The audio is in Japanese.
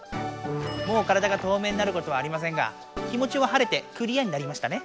もう体が透明になることはありませんが気もちは晴れてクリアになりましたね。